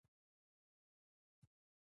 د کرز نومي سیمې ته د ورتلو نیت مو درلود.